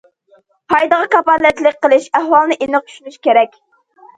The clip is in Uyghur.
پايدىغا كاپالەتلىك قىلىش ئەھۋالىنى ئېنىق چۈشىنىش كېرەك.